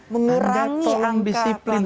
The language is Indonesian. mengurangi angka pelanggaran